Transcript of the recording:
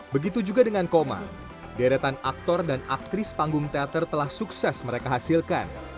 begitu juga dengan koma deretan aktor dan aktris panggung teater telah sukses mereka hasilkan